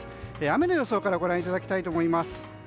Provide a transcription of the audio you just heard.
雨の予想からご覧いただきたいと思います。